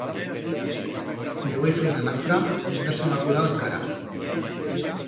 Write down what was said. Me voi fer una nafra y no se m'ha curau encara.